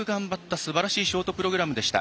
すばらしいショートプログラムでした。